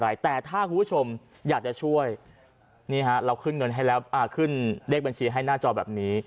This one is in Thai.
อยากจะช่วยเราขึ้นเงินให้แล้วอ่าขึ้นเลขบัญชีให้หน้าจอแบบนี้